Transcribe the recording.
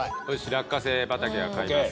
落花生畑が買えます。